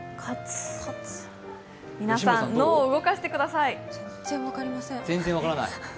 皆さん、脳を動かしてください。